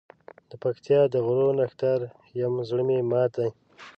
دپکتیا د غرو نښتر یم زړه مي مات دی